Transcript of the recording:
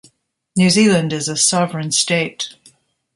New Zealand is a sovereign state.